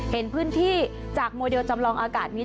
เห็นพื้นที่จากโมเดลจำลองอากาศนี้